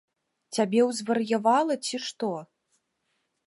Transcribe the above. Цябе ўзвар'явала, ці што?